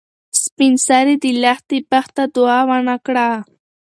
سپین سرې د لښتې بخت ته دعا ونه کړه.